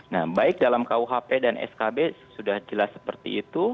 nah baik dalam kuhp dan skb sudah jelas seperti itu